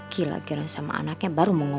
siapa sih kesuka invaluable